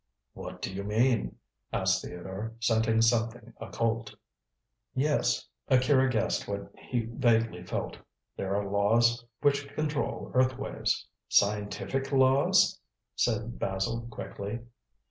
"What do you mean?" asked Theodore, scenting something occult. "Yes." Akira guessed what he vaguely felt. "There are laws which control earth waves." "Scientific laws?" said Basil quickly.